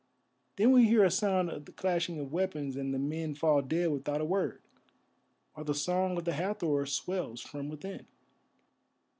Then we hear a sound of the clashing of weapons and the men fall dead without a word, while the song of the Hathor swells from within."